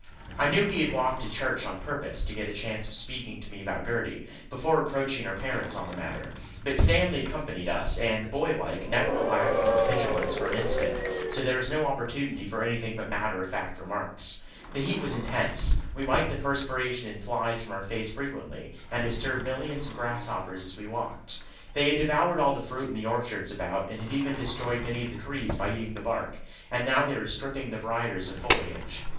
I know he had walked to church on purpose to get a chance of speaking to me about Gertie, before approaching her parents on the matter; but Stanley accompanied us, and, boy like, never relaxed in vigilance for an instant, so there was no opportunity for anything but matter of fact remarks. The heat was intense. We wiped the perspiration and flies from our face frequently, and disturbed millions of grasshoppers as we walked. They had devoured all the fruit in the orchards about, and had even destroyed many of the trees by eating the bark, and now they were stripping the briers of foliage.